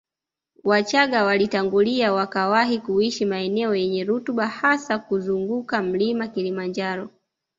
Wachaga walitangulia wakawahi kuishi maeneo yenye rutuba hasa kuzunguka mlima Kilimanjaro